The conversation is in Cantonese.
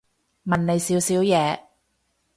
問你少少嘢